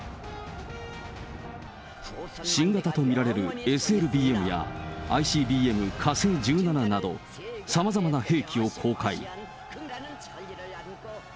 新型と見られるＳＬＢＭや、ＩＣＢＭ火星１７など、さまざまな兵器を公開。